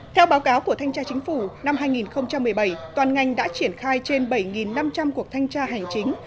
theo báo cáo của thanh tra chính phủ năm hai nghìn một mươi bảy toàn ngành đã triển khai trên bảy năm trăm linh cuộc thanh tra hành chính